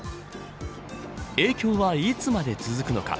影響は、いつまで続くのか。